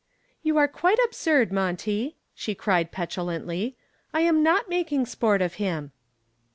"You are quite absurd, Monty," she cried, petulantly. "I am not making sport of him."